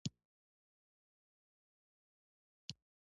هغه ته یې امر وکړ چې غلطۍ ورڅخه لرې کړي.